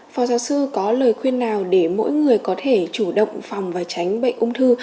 phó giáo sư có lời khuyên nào để mỗi người có thể chủ động phòng và tránh bệnh ung thư